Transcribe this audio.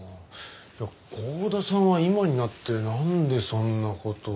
剛田さんは今になってなんでそんな事を。